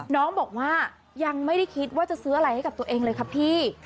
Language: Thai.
น้องบอกว่ายังไม่ได้คิดว่าจะซื้ออะไรให้กับตัวเองเลยครับพี่